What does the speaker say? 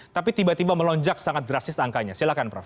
tapi tiba tiba melonjak sangat drastis angkanya silahkan prof